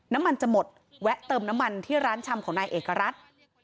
น้ำมันจะหมดแวะเติมน้ำมันที่ร้านชำของนายเอกรัฐ